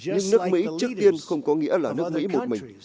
nhưng nước mỹ trước tiên không có nghĩa là nước mỹ một mình